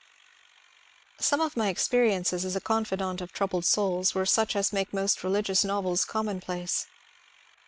Some of my experiences as a confidant of troubled souls were such as make most religious novels commonplace.